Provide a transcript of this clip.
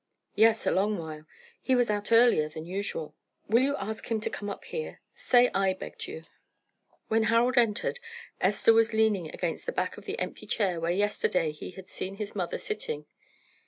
"Yes, a long while; he was out earlier than usual." "Will you ask him to come up here? Say I begged you." When Harold entered Esther was leaning against the back of the empty chair where yesterday he had seen his mother sitting.